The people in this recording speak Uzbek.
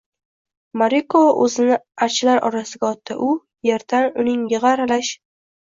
Moriko o‘zini archalar orasiga otdi. U yerdan uning yig‘i aralash: